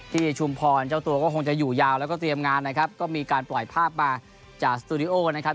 ชุมพรเจ้าตัวก็คงจะอยู่ยาวแล้วก็เตรียมงานนะครับก็มีการปล่อยภาพมาจากสตูดิโอนะครับ